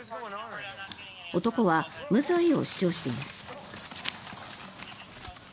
男は無罪を主張しています。